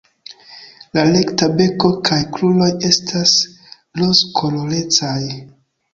La rekta beko kaj kruroj estas rozkolorecaj.